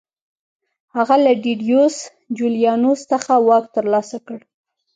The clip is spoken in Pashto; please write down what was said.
هغه له ډیډیوس جولیانوس څخه واک ترلاسه کړ